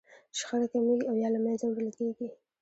شخړه کمیږي او يا له منځه وړل کېږي.